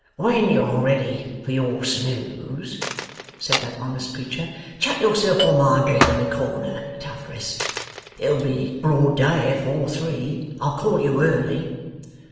'When you're ready for your snooze,' said that honest creature, 'chuck yourself on my bed in the corner, T'otherest. It'll be broad day afore three. I'll call you early.